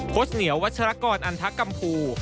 โคชเงียววัชลากรอันทะกัมภู